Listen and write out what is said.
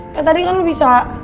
ya tadi kan lu bisa